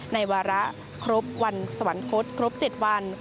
วาระครบวันสวรรคตครบ๗วัน